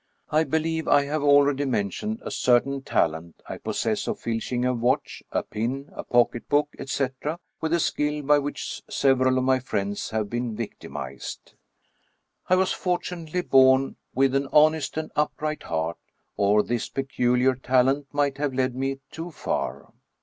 I believe I have already mentioned a certain talent I pos sess of filching a watch, a pin, a pocketbook, etc., with a skill by which several of my friends have been victimized. I was fortunately born with an honest and upright heart, or this peculiar talent might have led me too far.